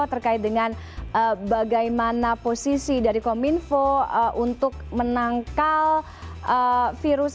terkait dengan bagaimana posisi dari kominfo untuk menangkal virus